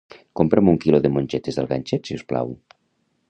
Compra'm un quilo de mongetes del ganxet, si us plau.